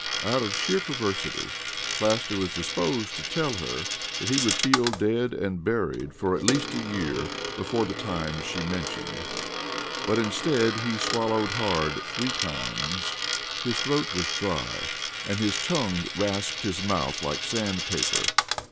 Out of sheer perversity Plaster was disposed to tell her that he would feel dead and buried for at least a year before the time she mentioned, but instead he swallowed hard three times. His throat was dry and his tongue rasped his mouth like sandpaper.